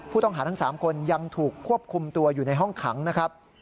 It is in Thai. ผู้ต้องหาทั้ง๓คนยังถูกควบคุมตัวอยู่ในห้องขังนะครับ